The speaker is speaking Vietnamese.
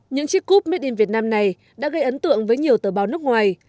những chiếc cúp made in vietnam này đã gây ấn tượng với nhiều tờ báo nước ngoài